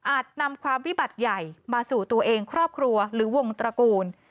นำความวิบัติใหญ่มาสู่ตัวเองครอบครัวหรือวงตระกูล